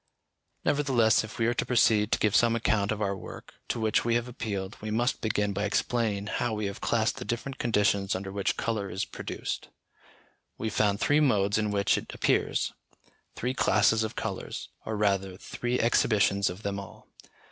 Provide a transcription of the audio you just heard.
Nevertheless, if we are to proceed to give some account of our work, to which we have appealed, we must begin by explaining how we have classed the different conditions under which colour is produced. We found three modes in which it appears; three classes of colours, or rather three exhibitions of them all.